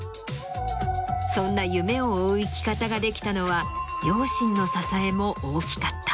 そんな夢を追う生き方ができたのは両親の支えも大きかった。